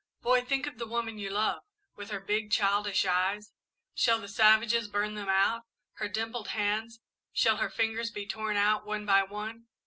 "Boy, think of the woman you love, with her big childish eyes, shall the savages burn them out? Her dimpled hands shall her fingers be torn out, one by one?